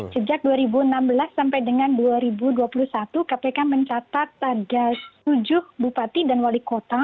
sejak dua ribu enam belas sampai dengan dua ribu dua puluh satu kpk mencatat ada tujuh bupati dan wali kota